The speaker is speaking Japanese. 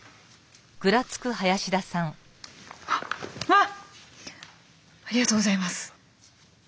ありがとうございます。